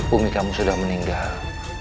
umi kamu sudah meninggal